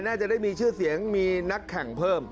น่าจะได้มีชื่อเสียงมีนักแข่งเพิ่ม